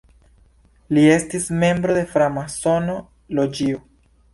Li estis membro de framasono loĝio.